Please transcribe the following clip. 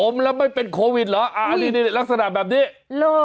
อมแล้วไม่เป็นโควิดเหรออันนี้ลักษณะแบบนี้เหรอ